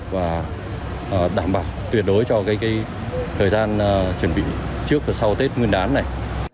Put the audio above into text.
và đảm bảo tuyệt đối cho thời gian chuẩn bị trước và sau tết nguyên đán này